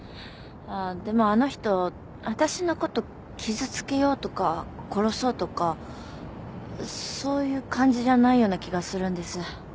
でもあの人私の事傷つけようとか殺そうとかそういう感じじゃないような気がするんです。